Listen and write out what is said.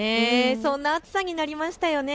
そんな暑さになりましたよね。